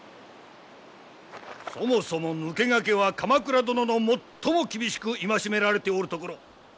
そもそも抜け駆けは鎌倉殿の最も厳しく戒められておるところ。